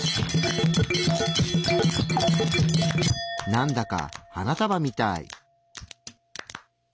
なんだか花束みたい。